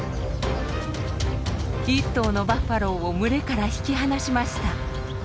１頭のバッファローを群れから引き離しました。